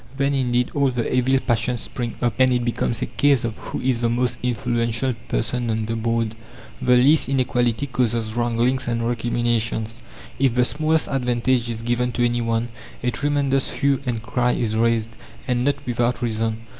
Then indeed all the evil passions spring up, and it becomes a case of who is the most influential person on the board. The least inequality causes wranglings and recriminations. If the smallest advantage is given to any one, a tremendous hue and cry is raised and not without reason.